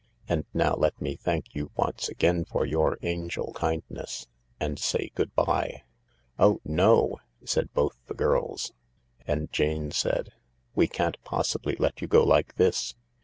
And now let me thank you once again for your angel kindness, and say good bye." " Oh no I " said both the girls. And Jane said :" We can't possibly let you go like this.